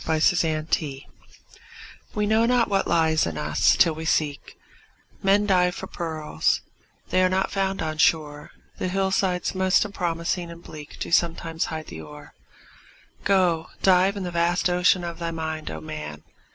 HIDDEN GEMS We know not what lies in us, till we seek; Men dive for pearls—they are not found on shore, The hillsides most unpromising and bleak Do sometimes hide the ore. Go, dive in the vast ocean of thy mind, O man!